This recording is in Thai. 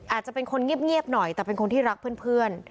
อาจจะเป็นคนเงียบหน่อยแต่เป็นคนที่รักเพื่อน